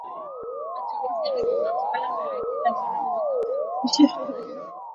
Matumizi ya kimazoea na ya kila mara huweza kusababisha uraibu